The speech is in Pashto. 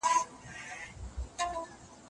زمانه د هرې پېښې په روښانولو کي رول لري.